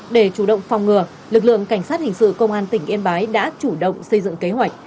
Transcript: để chủ động phòng ngừa lực lượng cảnh sát hình sự công an tỉnh yên bái đã chủ động xây dựng kế hoạch